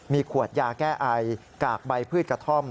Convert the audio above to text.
มีขวดยาแก้ไอกากใบพืชกระท่อม